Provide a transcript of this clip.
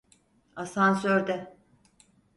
Asansörde.